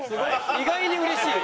「意外にうれしい」？